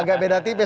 agak beda tipe